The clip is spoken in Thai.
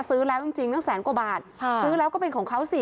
ซื้อแล้วจริงตั้งแสนกว่าบาทซื้อแล้วก็เป็นของเขาสิ